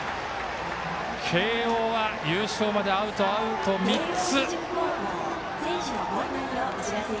慶応は優勝まであとアウト３つ。